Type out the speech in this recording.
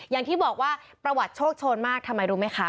อย่างที่บอกว่าประวัติโชคโชนมากทำไมรู้ไหมคะ